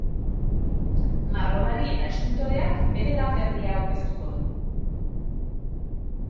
Margolari eta eskultoreak bere lan berria aurkeztuko du.